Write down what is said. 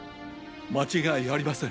間違いありません。